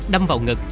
đâm vào ngực